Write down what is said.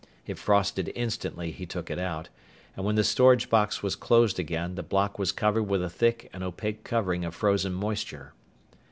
It frosted instantly he took it out, and when the storage box was closed again the block was covered with a thick and opaque coating of frozen moisture.